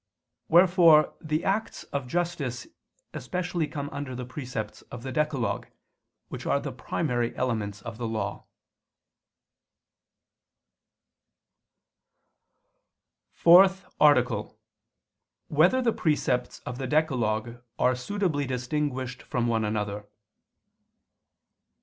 Wherefore the acts of justice especially come under the precepts of the decalogue, which are the primary elements of the Law. ________________________ FOURTH ARTICLE [I II, Q. 100, Art. 4] Whether the Precepts of the Decalogue Are Suitably Distinguished from One Another?